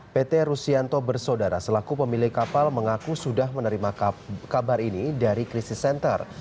pt rusianto bersaudara selaku pemilik kapal mengaku sudah menerima kabar ini dari krisis center